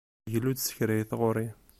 Glu-d s kra i tɣuri.